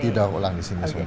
tidak ulang di sini semua